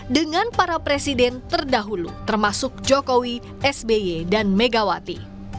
dengan para presiden terdahulu termasuk jokowi sby dan megawati